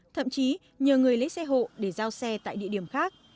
thậm chí nhờ người lấy xe hộ để giao xe tại địa điểm khác